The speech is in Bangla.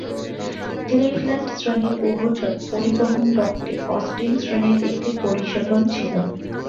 "ক্লিভল্যান্ড" শ্রেণীর উভচর পরিবহন ডকটি "অস্টিন" শ্রেণীর একটি পরিশোধন ছিল।